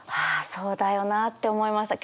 そうだよなって思いました。